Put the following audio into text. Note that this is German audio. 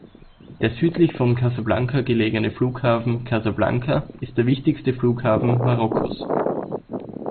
Der südlich von Casablanca gelegene Flughafen Casablanca ist der wichtigste Flughafen Marokkos.